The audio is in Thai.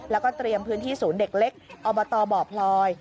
แล้วก็เตรียมพื้นที่ศูนย์เด็กเล็กอบตบ่อพลอย